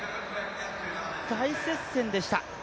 大接戦でした。